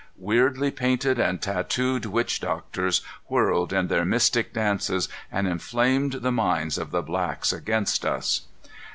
Weirdly painted and tattooed witch doctors whirled in their mystic dances and inflamed the minds of the blacks against us.